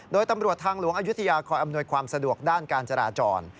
โดยตำรวจทางหลวงอายุทยาคอยอำนวยความสะดวกด้านการจราจร